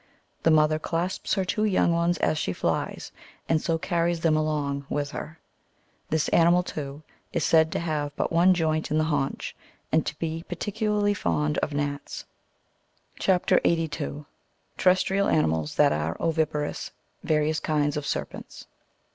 The mother clasps her two young ones as she flies, and so carries them along with her. This animal, too, is said to have but one joint in the haunch, and to be particularly fond of gnats. CHAP. 82. (62.) TERRESTRIAL ANIMALS THAT ARE OVIPAROUS. VARIOUS KINDS OF SERPENTS.